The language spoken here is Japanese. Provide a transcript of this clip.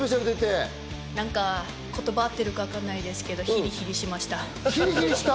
言葉が合ってるかわかんないですけど、ヒリヒリしました。